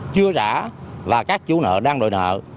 chưa rả và các chú nợ đang đòi nợ